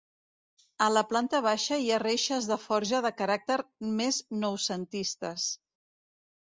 A la planta baixa hi ha reixes de forja de caràcter més noucentistes.